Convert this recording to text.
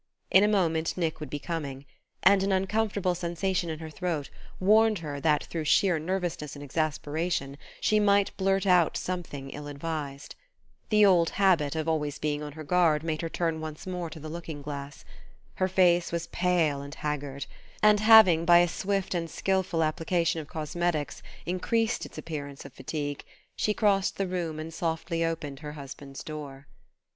In a moment Nick would be coming; and an uncomfortable sensation in her throat warned her that through sheer nervousness and exasperation she might blurt out something ill advised. The old habit of being always on her guard made her turn once more to the looking glass. Her face was pale and haggard; and having, by a swift and skilful application of cosmetics, increased its appearance of fatigue, she crossed the room and softly opened her husband's door.